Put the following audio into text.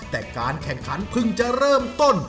แต่การแข่งขันเพิ่งจะเริ่มต้น